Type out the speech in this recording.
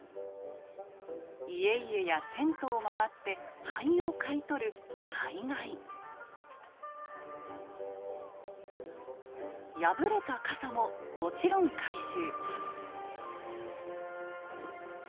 家々や銭湯を回って灰を買い取る破れた傘ももちろん回収。